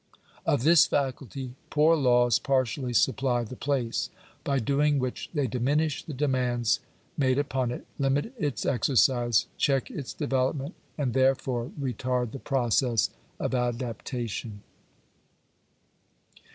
Of this faculty poor laws partially supply the place. By doing which they diminish the demands made upon it, limit its exercise, check its development* and therefore retard the process of adaptation.